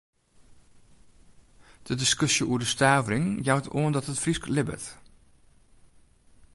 De diskusje oer de stavering jout oan dat it Frysk libbet.